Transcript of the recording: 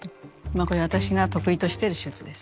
これは私が得意としてる手術です。